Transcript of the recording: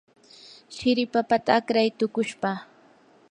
shiri papata akray tuqushpa.